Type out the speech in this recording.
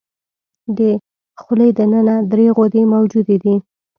د خولې د ننه درې غدې موجودې دي.